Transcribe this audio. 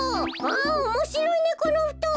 おもしろいねこのふとん。